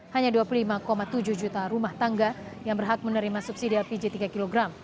hanya dua puluh lima tujuh juta rumah tangga yang berhak menerima subsidi lpg tiga kg